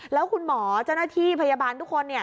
แล้วคุณหมอเจ้าหน้าที่พยาบาลทุกคน